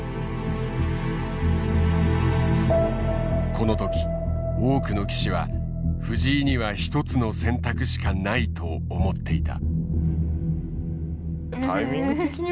この時多くの棋士は藤井には一つの選択しかないと思っていた。